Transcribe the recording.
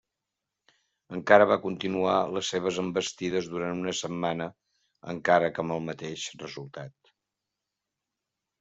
Encara va continuar les seves envestides durant una setmana, encara que amb el mateix resultat.